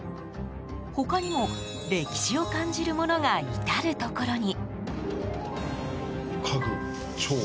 他にも歴史を感じるものが至るところに。